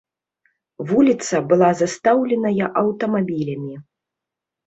Вуліца была застаўленая аўтамабілямі.